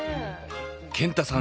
健太さん